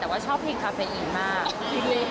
แต่ว่าชอบเพลงคาเฟอีนมาก